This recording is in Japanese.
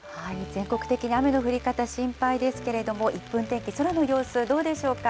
全国的に雨の降り方、心配ですけれども、１分天気、空の様子、どうでしょうか？